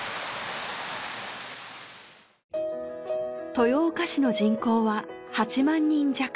豊岡市の人口は８万人弱。